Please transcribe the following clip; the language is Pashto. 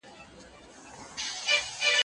په ټول ښار کي یې چا ونه کړه پوښتنه